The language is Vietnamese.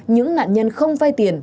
những nạn nhân không vai tiền